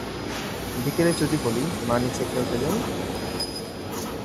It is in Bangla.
বিকেলে যদি বলি, মা নিচে খেলতে যাই?